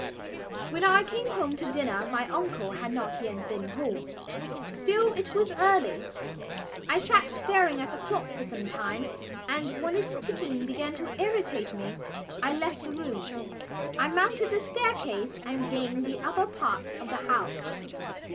When I came home to dinner my uncle had not yet been home. Still it was early. I sat staring at the clock for some time and, when its ticking began to irritate me, I left the room. I mounted the staircase and gained the upper part of the house.